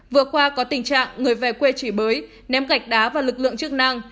vừa qua có tình trạng người về quê chỉ bới ném gạch đá vào lực lượng chức năng